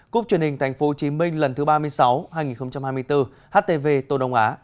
cúp truyền hình thành phố hồ chí minh lần thứ ba mươi sáu hai nghìn hai mươi bốn htv tô đông á